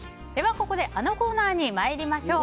ここであのコーナーに参りましょう。